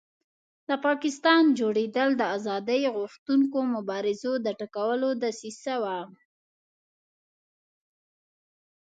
د پاکستان جوړېدل د آزادۍ غوښتونکو مبارزو د ټکولو دسیسه وه.